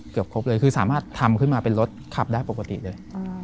เขามาเป็นรถขับได้ปกติเลย